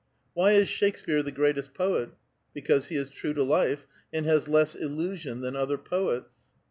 Why is IShaks pere the greatest poet? Because he is true to life, and has less illusion than other poets."